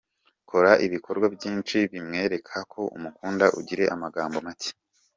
Kora ibikorwa byinshi bimwereka ko umukunda ugire amagambo macye.